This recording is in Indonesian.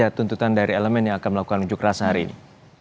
ada tuntutan dari elemen yang akan melakukan unjuk rasa hari ini